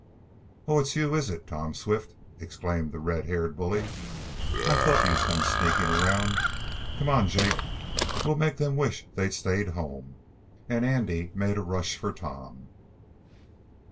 "Oh! it's you, is it, Tom Swift?" exclaimed the red haired bully. "I thought you'd come sneaking around. Come on, Jake! We'll make them wish they'd stayed home!" And Andy made a rush for Tom.